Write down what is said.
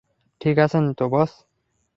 ঠিক আছেন তো, বস?